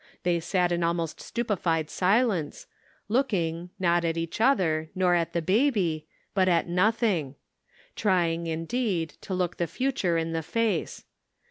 They sat in almost stupefied silence, looking, not at each other, nor at the buby, but at nothing — trying, indeed, to look the future in the face.